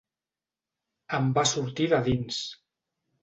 Em va sortir de dins.